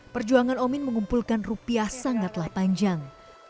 perjuangan omin mengumpulkan rupiah sangatlah panjang